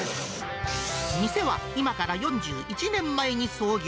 店は今から４１年前に創業。